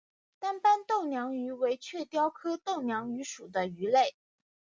单斑豆娘鱼为雀鲷科豆娘鱼属的鱼类。